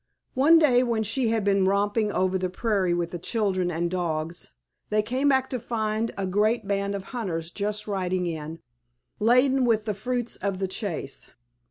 One day when she had been romping over the prairie with the children and dogs they came back to find a great band of hunters just riding in, laden with the fruits of the chase.